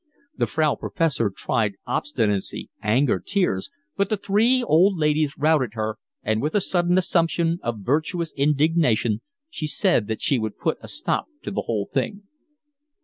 The Frau Professor tried obstinacy, anger, tears, but the three old ladies routed her, and with a sudden assumption of virtuous indignation she said that she would put a stop to the whole thing.